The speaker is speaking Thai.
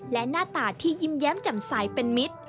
และหน้าตาที่ยิ้มแย้มแจ่มใสเป็นมิตร